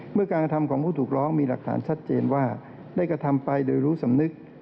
เมื่อการกระทำของผู้ถูกร้องมีหลักฐานชัดเจนว่าได้กระทำไปโดยรู้สำนึก